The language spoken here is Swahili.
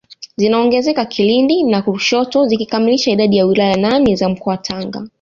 zinaongezeka Kilindi na Lushoto zikikamilisha idadi ya wilaya nane za mkoa wa Tanga